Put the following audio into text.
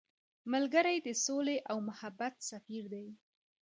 ملګری د سولې او محبت سفیر دی